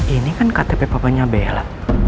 ini kan ktp papanya bella